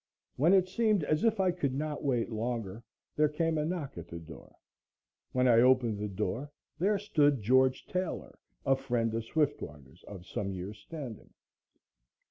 When it seemed as if I could not wait longer, there came a knock at the door. When I opened the door there stood George Taylor, a friend of Swiftwater's of some years' standing.